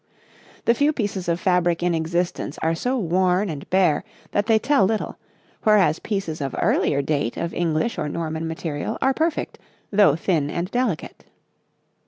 The few pieces of fabric in existence are so worn and bare that they tell little, whereas pieces of earlier date of English or Norman material are perfect, although thin and delicate.